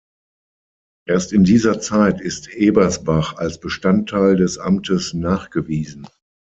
Erst in dieser Zeit ist Ebersbach als Bestandteil des Amtes nachgewiesen.